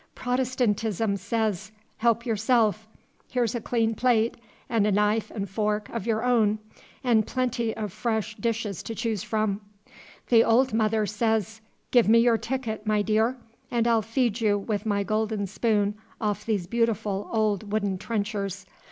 Protestantism says, "Help yourself; here's a clean plate, and a knife and fork of your own, and plenty of fresh dishes to choose from." The Old Mother says, "Give me your ticket, my dear, and I'll feed you with my gold spoon off these beautiful old wooden trenchers.